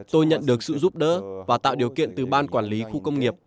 tôi nhận được sự giúp đỡ và tạo điều kiện từ ban quản lý khu công nghiệp